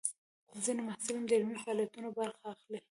ځینې محصلین د علمي فعالیتونو برخه اخلي.